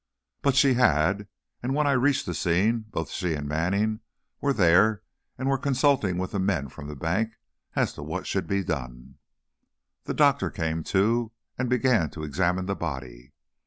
But she had, and when I reached the scene, both she and Manning were there and were consulting with the men from the bank as to what should be done. The doctor came, too, and began to examine the body.